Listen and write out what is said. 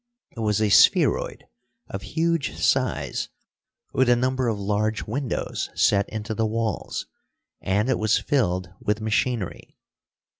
It was a spheroid, of huge size, with a number of large windows set into the walls, and it was filled with machinery.